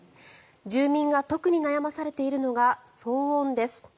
住民が特に悩まされているのが騒音です。